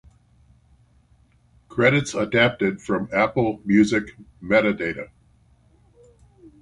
Credits adapted from Apple Music metadata.